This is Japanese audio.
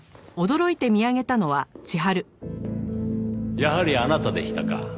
やはりあなたでしたか。